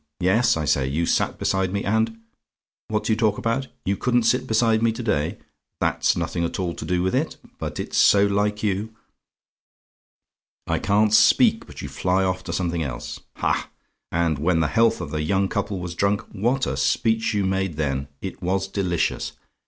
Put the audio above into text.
Yes, I say, you sat beside me, and What do you talk about? "YOU COULDN'T SIT BESIDE ME TO DAY? "That's nothing at all to do with it. But it's so like you. I can't speak but you fly off to something else. Ha! and when the health of the young couple was drunk, what a speech you made then! It was delicious!